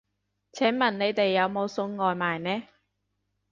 請問你哋有冇送外賣呢